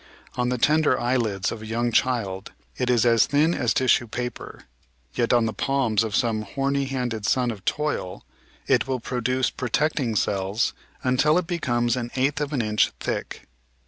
On the tender eyelids of a young child it is as thin as tissue paper, yet on the palms of some "horny handed son of toil" it will produce protecting cells imtil it becomes an eighth of an inch thick.